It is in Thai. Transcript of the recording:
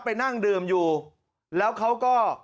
ไปนั่งดื่มอยู่แล้วเขาก็